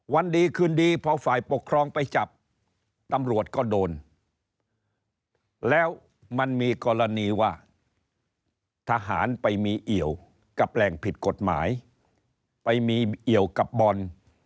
วันดีคืนดีพอฝ่ายปกครองไปจับตำรวจก็โดนแล้วมันมีกรณีว่าทหารไปมีเอี่ยวกับแหล่งผิดกฎหมายไปมีเอี่ยวกับบอล